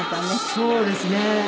そうですね。